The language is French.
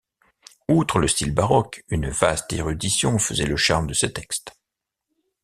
Outre le style baroque, une vaste érudition faisait le charme de ces textes.